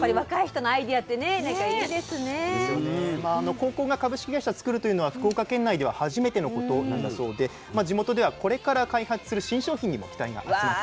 高校が株式会社を作るというのは福岡県内では初めてのことなんだそうで地元ではこれから開発する新商品にも期待が集まっているんです。